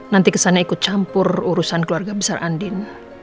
nanti kesannya ikut campur urusan keluarga besar andien